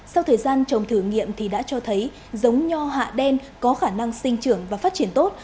sau thời gian trồng thử nghiệm thì đã cho thấy giống nho hạ đen có khả năng sinh trưởng và phát triển tốt